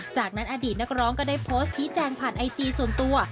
จากนั้นอดีตนักร้องก็ได้โพสต์ชี้แจงผ่านไอจีส่วนตัว